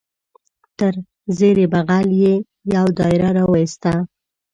تر زیر بغل یې یو دایره را وایسته.